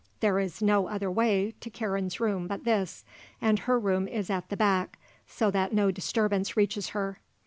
There is no other way to Karen's room but this, and her room is at the back, so that no disturbance reaches her.